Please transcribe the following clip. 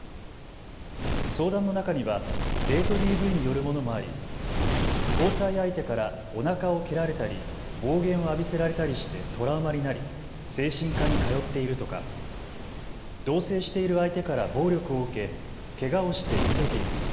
相談の中にはデートＤＶによるものもあり交際相手からおなかを蹴られたり暴言を浴びせられたりしてトラウマになり精神科に通っているとか同せいしている相手から暴力を受け、けがをして逃げている。